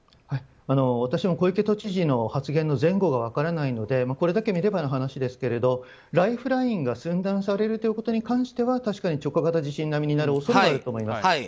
私も小池都知事の発言の前後が分からないのでこれだけ見ればの話ですけどライフラインが寸断されるということに関しては確かに直下型地震並みになる恐れがあると思います。